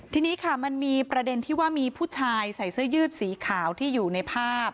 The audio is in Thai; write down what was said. ทีนี้ค่ะมันมีประเด็นที่ว่ามีผู้ชายใส่เสื้อยืดสีขาวที่อยู่ในภาพ